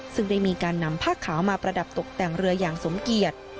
ซึ่งได้มีการนำผ้าขาวมาประดับตกแต่งเรืออย่างสมเกียจ